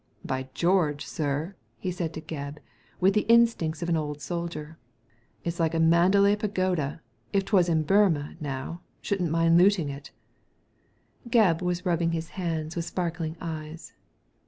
"By George, sir!" said he to Gebb, with the in stincts of an old soldier, "it's like a Mandalay Pagoda. If t'was in Burmah, now, shouldn't mind looting it" Gebb was rubbing his hands, with sparkling eyes.